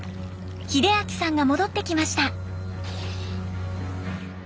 秀明さんが戻ってきました。